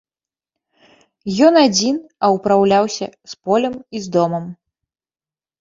Ён адзін, а ўпраўляўся з полем і з домам.